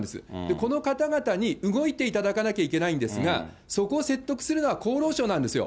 この方々に動いていただかなきゃいけないんですが、そこを説得するのは厚労省なんですよ。